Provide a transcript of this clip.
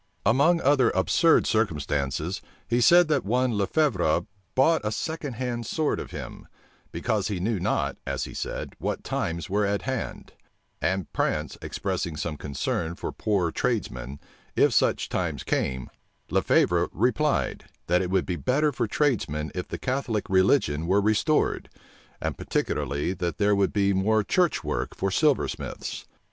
Among other absurd circumstances, he said that one Le Fevre bought a second hand sword of him; because he knew not, as he said, what times were at hand; and Prance expressing some concern for poor tradesmen, if such times came, Le Fevre replied, that it would be better for tradesmen if the Catholic religion were restored; and particularly, that there would be more church work for silversmiths.